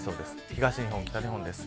東日本、北日本です。